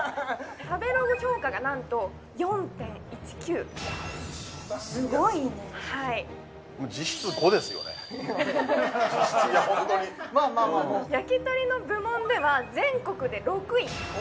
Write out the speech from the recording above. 食べログ評価がなんとすごいね実質いやホントにまあまあまあ焼き鳥の部門では全国で！？